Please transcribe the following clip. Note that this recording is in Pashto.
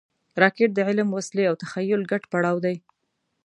راکټ د علم، وسلې او تخیل ګډ پړاو دی